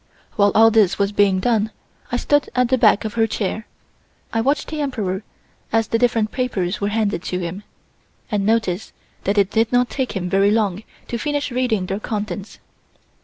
While all this was being done I stood at the back of her chair. I watched the Emperor as the different papers were handed to him and noticed that it did not take him very long to finish reading their contents.